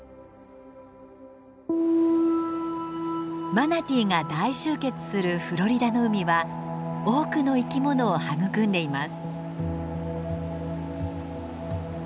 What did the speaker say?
マナティーが大集結するフロリダの海は多くの生き物を育んでいます。